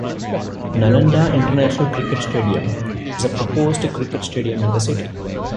Nalanda International Cricket Stadium is a proposed cricket stadium in the city.